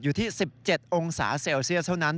อยู่ที่๑๗องศาเซลเซียสเท่านั้น